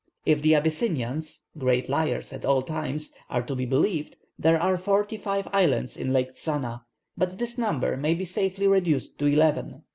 If the Abyssinians, great liars at all times, are to be believed, there are forty five islands in Lake Tzana; but this number may be safely reduced to eleven.